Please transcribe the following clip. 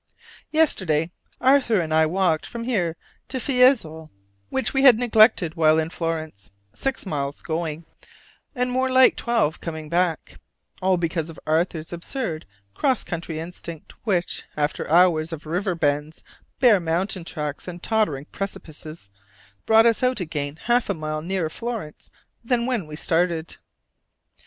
Yesterday Arthur and I walked from here to Fiesole, which we had neglected while in Florence six miles going, and more like twelve coming back, all because of Arthur's absurd cross country instinct, which, after hours of river bends, bare mountain tracks, and tottering precipices, brought us out again half a mile nearer Florence than when we started.